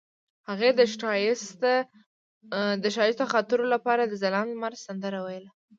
هغې د ښایسته خاطرو لپاره د ځلانده لمر سندره ویله.